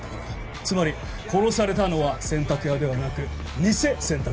つまり殺されたのは洗濯屋ではなくニセ洗濯屋だ。